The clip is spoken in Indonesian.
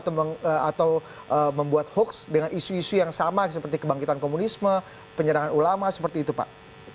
atau membuat hoax dengan isu isu yang sama seperti kebangkitan komunisme penyerangan ulama seperti itu pak